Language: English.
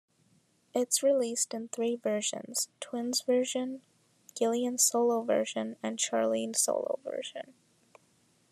It's released in three versions: Twins version, Gillian solo version and Charlene solo version.